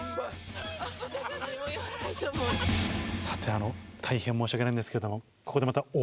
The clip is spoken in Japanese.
さて大変申し訳ないんですけどここでまた。